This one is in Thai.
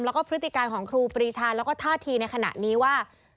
แล้วก็พฤติการของครูปรีชาแล้วก็ท่าทีในขณะนี้ว่า